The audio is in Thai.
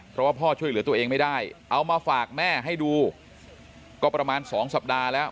เพราะว่าพ่อช่วยเหลือตัวเองไม่ได้เอามาฝากแม่ให้ดูก็ประมาณ๒สัปดาห์แล้ว